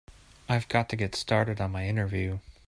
I've got to get started on my interview.